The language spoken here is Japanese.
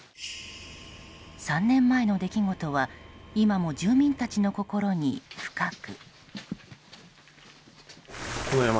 ３年前の出来事は今も住民たちの心に、深く。